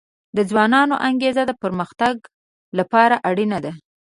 د ځوانانو انګیزه د پرمختګ لپاره اړینه ده.